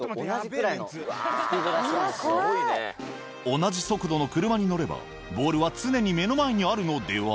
同じ速度の車に乗ればボールは常に目の前にあるのでは？